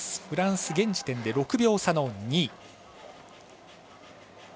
フランス、現時点で６秒差の２位。